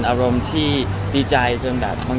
เราก็ดีใจด้วยกัน